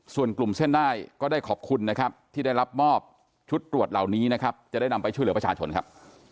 ส่วนกลุ่มเส้นได้ก็ได้ขอบคุณนะครับที่ได้รับมอบชุดตรวจเหล่านี้นะครับจะได้นำไปช่วยเหลือประชาชนครับ